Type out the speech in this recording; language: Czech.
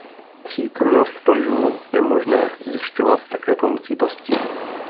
Přítomnost plžů je možné zjišťovat také pomocí pastí.